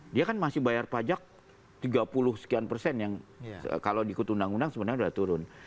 dia kan masih bayar pajak tiga puluh sekian persen yang kalau ikut undang undang sebenarnya sudah turun